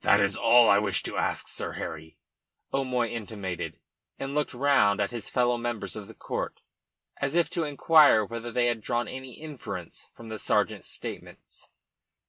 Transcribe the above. "That is all I wish to ask, Sir Harry," O'Moy intimated, and looked round at his fellow members of that court as if to inquire whether they had drawn any inference from the sergeant's statements.